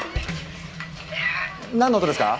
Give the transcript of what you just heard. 何の音ですか？